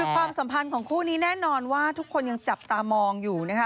ความสัมพันธ์ของคู่นี้แน่นอนว่าทุกคนยังจับตามองอยู่นะคะ